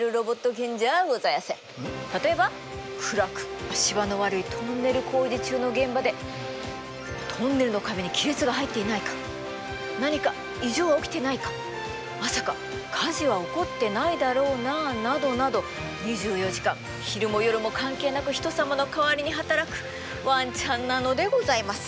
例えば暗く足場の悪いトンネル工事中の現場でトンネルの壁に亀裂が入っていないか何か異常は起きていないかまさか火事は起こってないだろうななどなど２４時間昼も夜も関係なく人様の代わりに働くワンちゃんなのでございます！